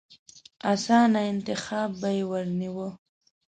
اسانه انتخاب به يې ورنيوه.